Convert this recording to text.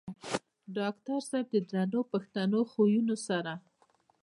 ډاکټر صېب د درنو پښتنو خويونو سره